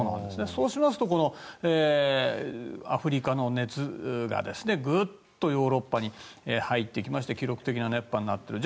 そうしますとアフリカの熱がぐっとヨーロッパに入ってきて記録的な熱波になっている。